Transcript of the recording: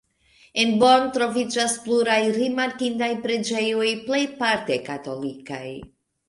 En Bonn troviĝas pluraj rimarkindaj preĝejoj, plejparte katolikaj.